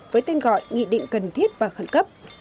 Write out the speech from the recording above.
với tên gọi nghị định cần thiết và khẩn cấp